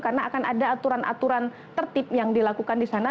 karena akan ada aturan aturan tertib yang dilakukan disana